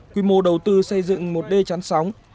quy mô đầu tư xây dựng một d chán sóng